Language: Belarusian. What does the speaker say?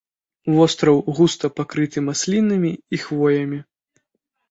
Востраў густа пакрыты маслінамі і хвоямі.